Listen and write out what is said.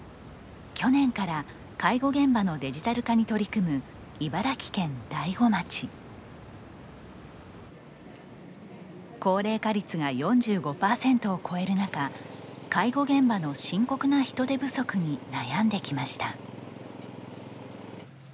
去年から介護現場のデジタル化に取り組む高齢化率が４５％を超える中介護現場の深刻な人手不足に悩んできました。